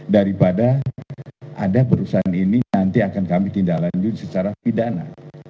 daripada ada perusahaan ini nanti akan kami tindak lanjut secara pidana